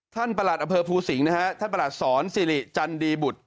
ท่านประหลาดอำเภอภูสิงฯท่านประหลาดสอนสิริจันทร์ดีบุตร